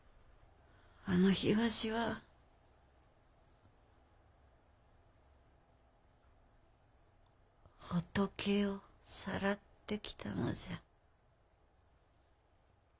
あの日わしは仏をさらってきたのじゃ。